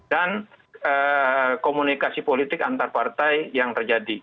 dan komunikasi politik antar partai yang terjadi